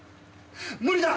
無理だ！